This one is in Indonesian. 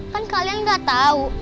kan kalian nggak tahu